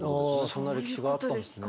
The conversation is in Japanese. そんな歴史があったんですね。